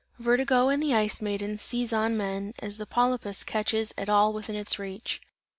Vertigo and the Ice Maiden seize on men as the polypus clutches at all within its reach.